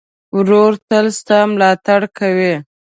ورور تل ستا ملاتړ کوي.